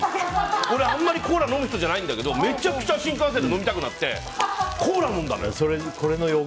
俺あまりコーラを飲む人じゃなかったんだけどめちゃくちゃ新幹線で飲みたくなってコーラを飲んだのよ。